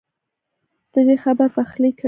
ددې خبر پخلی کړی